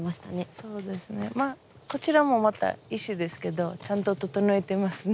そうですねまあこちらもまた石ですけどちゃんと整えてますね。